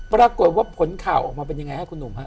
ปรากฏว่าผลข่าวออกมาเป็นยังไงฮะคุณหนุ่มฮะ